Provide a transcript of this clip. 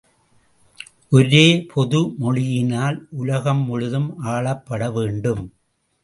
ஒரே பொது மொழியினால் உலகம் முழுதும் ஆளப்பட வேண்டும்.